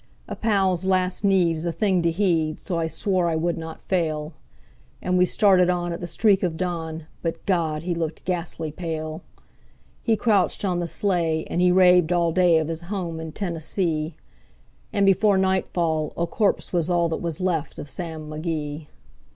A pal's last need is a thing to heed, so I swore I would not fail; And we started on at the streak of dawn; but God! he looked ghastly pale. He crouched on the sleigh, and he raved all day of his home in Tennessee; And before nightfall a corpse was all that was left of Sam McGee.